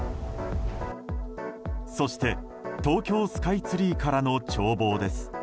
そして、東京スカイツリーからの眺望です。